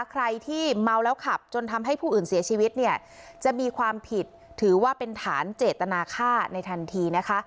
ใครที่เมาแล้วขับจนทำให้ผู้อื่นเสียชีวิตเนี่ยจะมีความผิดถือว่าเป็นฐานเจตนาฆ่าในทันทีนะคะ